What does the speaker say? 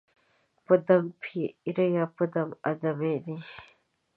په دم پېریه، په دم آدمې دي